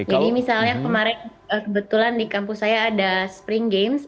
jadi misalnya kemarin kebetulan di kampus saya ada spring games